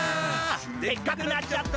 でっかくなっちゃった！